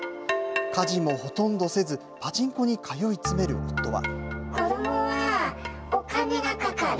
家事もほとんどせず、パチンコに通い詰める夫は。